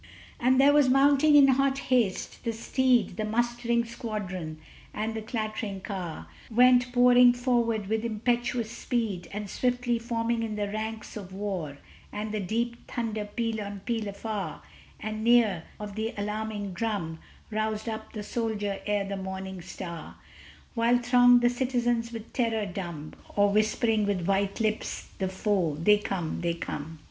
And there was mounting in hot haste: the steed, The mustering squadron, and the clattering car, Went pouring forward with impetuous speed, And swiftly forming in the ranks of war; And the deep thunder peal on peal afar; And near, the beat of the alarming drum Roused up the soldier ere the morning star; While thronged the citizens with terror dumb, Or whispering with white lips "The foe! They come! they come!"